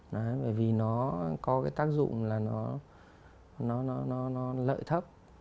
đấy bởi vì nó có cái tác dụng là nó lợi thấp